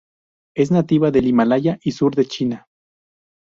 Es nativa del Himalaya y sur de China.